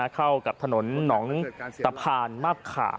เข้ากับถนนหนองสะพานมาบขา